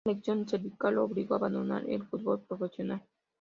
Una lesión cervical lo obligó a abandonar el fútbol profesional.